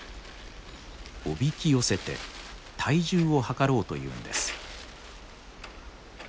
おびき寄せて体重を量ろうというんです。